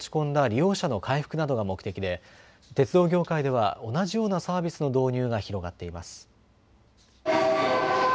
利用者の回復などが目的で鉄道業界では同じようなサービスの導入が広がっています。